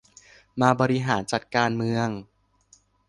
มาบริหารจัดการเมือง